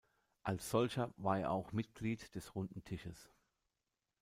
Als solcher war er auch Mitglied des Runden Tisches.